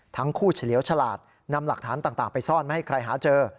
ทั้งคู่เฉลียวฉลาดนำหลักฐานต่างไปซ่อนไม่ให้ใครหาเจอ